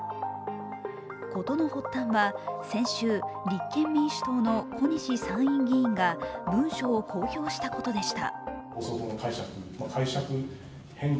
事の発端は、先週、立憲民主党の小西参院議員が文書を公表したことでした。